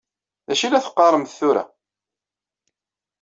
D acu i la teqqaṛemt tura?